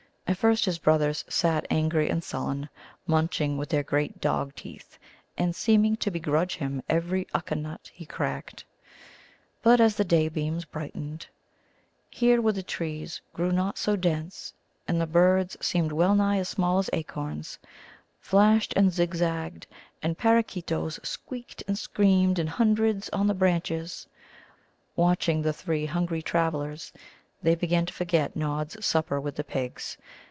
At first his brothers sat angry and sullen, munching with their great dog teeth, and seeming to begrudge him every Ukka nut he cracked. But as the daybeams brightened, here where the trees grew not so dense, and the birds, some wellnigh as small as acorns, flashed and zigzagged, and Parrakeetoes squeaked and screamed in hundreds on the branches, watching the three hungry travellers, they began to forget Nod's supper with the pigs.